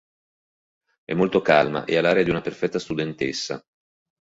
È molto calma ed ha l'aria di una perfetta studentessa.